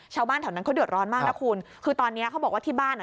ชาวบ้านแถวนั้นเขาเดือดร้อนมากนะคุณคือตอนเนี้ยเขาบอกว่าที่บ้านอ่ะ